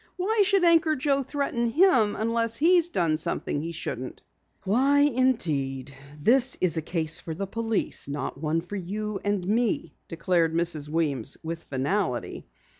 Why should Anchor Joe threaten him unless he's done something he shouldn't?" "Why indeed? This is a case for the police, not one for you or me," declared Mrs. Weems with finality.